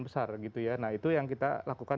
besar gitu ya nah itu yang kita lakukan